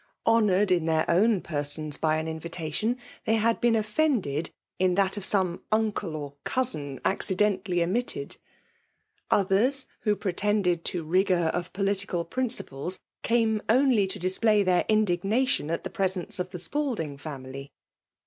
Honoured in their own persons by an invitatioin, they had been offended in that of some uncle or cousin accidentally omitted. Others, who pre ^ tended to rigour of political principles, came' only to display their indignation at the presence* of the Spalding family.